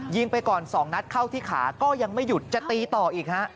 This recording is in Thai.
ไปก่อน๒นัดเข้าที่ขาก็ยังไม่หยุดจะตีต่ออีกฮะ